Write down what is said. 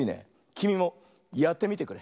きみもやってみてくれ。